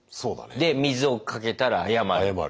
で水をかけたら謝る。